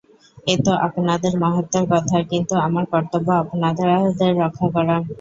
এ তো আপনাদের মহত্ত্বের কথা, কিন্তু আমার কর্তব্য আপনাদের রক্ষা করা।